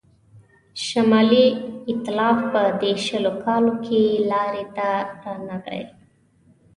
شمالي ایتلاف په دې شلو کالو کې لاري ته رانغی.